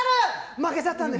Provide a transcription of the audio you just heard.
負けちゃったんです。